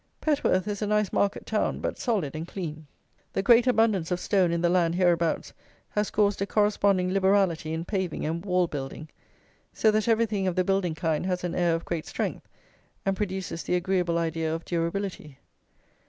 Petworth is a nice market town; but solid and clean. The great abundance of stone in the land hereabouts has caused a corresponding liberality in paving and wall building; so that everything of the building kind has an air of great strength, and produces the agreeable idea of durability.